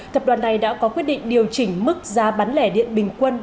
tập đoàn này đã có quyết định điều chỉnh mức giá bán lẻ điện bình quân